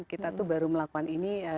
kita tuh baru melakukan ini